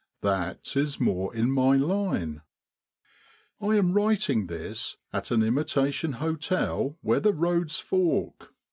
That is more in my line. I am writing this at an imitation hotel where the roads fork.